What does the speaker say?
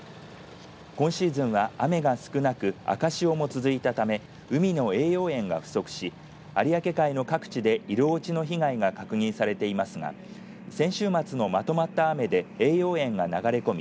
今シーズンは雨が少なく赤潮も続いたため、海の栄養塩が不足し有明海各地で色落ちの被害が確認されていますが先週末のまとまった雨で栄養塩が流れ込み